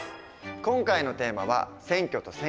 今回のテーマは「選挙と選挙権」。